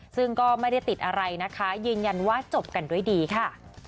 ซึ่งก็ไม่ได้ติดอะไรนะคะยืนยันว่าจบกันด้วยดีค่ะ